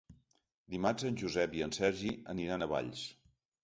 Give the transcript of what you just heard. Dimarts en Josep i en Sergi aniran a Valls.